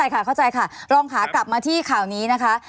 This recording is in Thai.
ใช่ค่ะเข้าใจค่ะรองค่ะกลับมาที่ข่าวนี้นะคะ